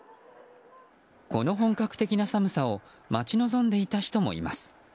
この本格的な寒さを待ち望んでいた人もいます。